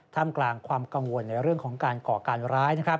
กลางความกังวลในเรื่องของการก่อการร้าย